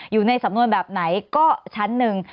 อยู่ในสำนวนแบบไหนก็ชั้นหนึ่ง